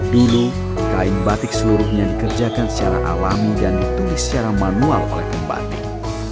dulu kain batik seluruhnya dikerjakan secara alami dan ditulis secara manual oleh pembatik